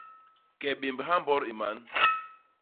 Ke bémbha mbot i man.